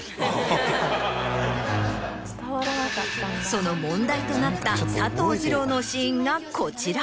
その問題となった佐藤二朗のシーンがこちら。